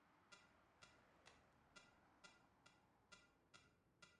আন্তর্জাতিক ক্রিকেট থেকে উপেক্ষিত হবার পর তিনি মাঝে-মধ্যে সাসেক্সের পক্ষে খেলতেন।